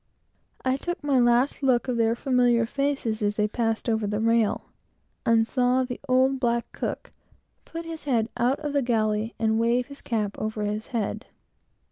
I took my last look of their familiar faces as they got over the rail, and saw the old black cook put his head out of the galley, and wave his cap over his head.